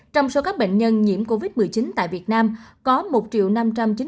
trong số các bệnh nhân nhiễm covid một mươi chín tại việt nam có một năm trăm chín mươi chín